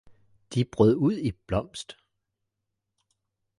De brød ud i blomst